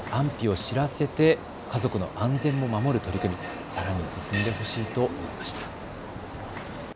子どもの安否を知らせて家族の安全を守る取り組み、さらに進んでほしいと思いました。